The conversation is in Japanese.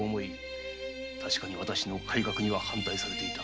確かにわたしの改革には反対されていた。